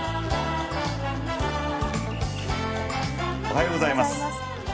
おはようございます。